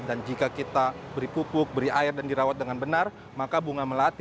dan jika kita beri pupuk beri air dan dirawat dengan benar maka bunga melati atau bunga melati